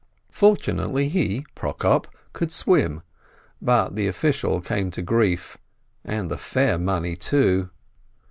Fortunately, he, Prokop, could swim, but the official came to grief, and the fare money, too.